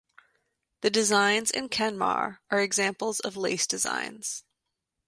The designs in Kenmare are examples of lace designs.